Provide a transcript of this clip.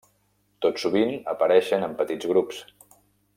Tot sovint apareixen en petits grups.